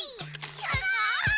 すごーい！」